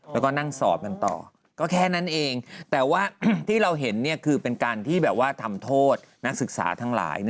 แล้วก็นั่งสอบกันต่อก็แค่นั้นเองแต่ว่าที่เราเห็นคือเป็นการที่แบบว่าทำโทษนักศึกษาทั้งหลาย